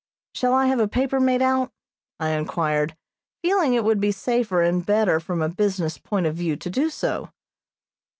"Shall I have a paper made out?" I inquired, feeling it would be safer and better from a business point of view to do so.